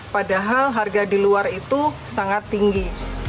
padahal harga di luar itu sangat tinggi